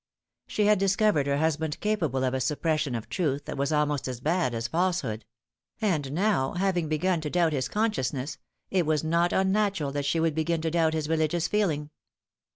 She had discovered her husband capable of a suppression of truth that was almost as bad as falsehood ; and now having begun to doubt his conscientiousness, it was not unnatural that she should begin to doubt his religious feeling.